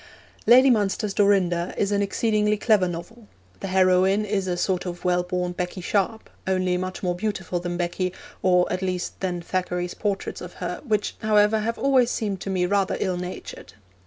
Lady Munster's Dorinda is an exceedingly clever novel. The heroine is a sort of well born Becky Sharp, only much more beautiful than Becky, or at least than Thackeray's portraits of her, which, however, have always seemed to me rather ill natured.